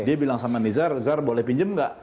dia bilang sama nizar nizar boleh pinjem gak